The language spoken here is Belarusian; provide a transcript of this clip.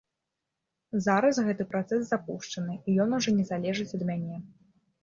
Зараз гэты працэс запушчаны, і ён ужо не залежыць ад мяне.